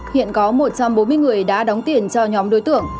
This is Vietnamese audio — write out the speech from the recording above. hiện có một trăm bốn mươi người đã đóng tiền cho nhóm đối tượng